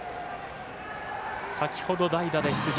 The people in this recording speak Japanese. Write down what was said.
先ほど代打で出場。